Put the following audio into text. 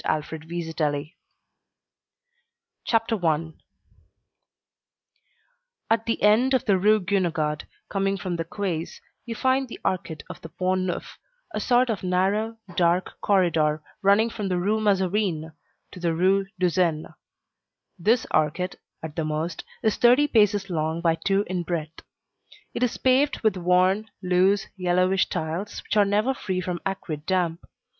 THÉRÈSE RAQUIN CHAPTER I At the end of the Rue Guénégaud, coming from the quays, you find the Arcade of the Pont Neuf, a sort of narrow, dark corridor running from the Rue Mazarine to the Rue de Seine. This arcade, at the most, is thirty paces long by two in breadth. It is paved with worn, loose, yellowish tiles which are never free from acrid damp.